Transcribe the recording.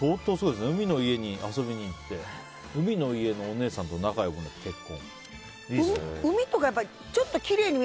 海の家に遊びに行って海の家のお姉さんと仲良くなって結婚。